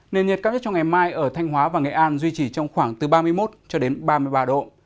nền nhiệt cao nhất trong ngày mai ở thanh hóa và nghệ an duy trì trong khoảng từ ba mươi một cho đến ba mươi ba độ